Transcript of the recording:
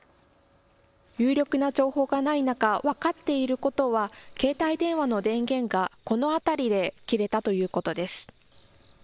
有力な情報がない中、分かっていることは、携帯電話の電源がこの辺りで切れたということです。